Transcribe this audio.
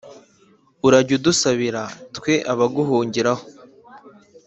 urajye udusabira twe abaguhungiraho!